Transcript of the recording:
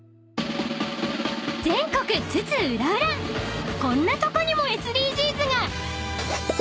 ［全国津々浦々こんなとこにもＳＤＧｓが！］